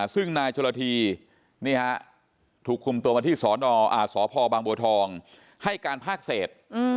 ซึ่งนายชุระธีนี่ครับถูกกลุ่มตัวมาที่สพบางบัวทองให้การภาคเศษ